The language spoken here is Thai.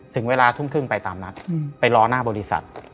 ถึงเวลาทุ่มครึ่งไปตามนัดไปรอหน้าบริษัท